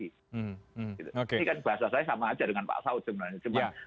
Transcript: ini kan bahasa saya sama aja dengan pak saud sebenarnya